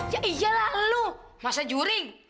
ya iyalah lo masa juring